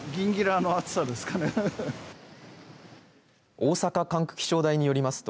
大阪管区気象台によりますと